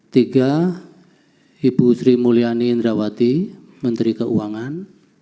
tiga ibu sri mulyani indrawati menteri keuangan